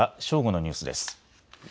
正午のニュースです。